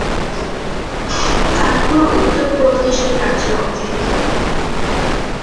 কানপুর উত্তর প্রদেশ রাজ্যে অবস্থিত।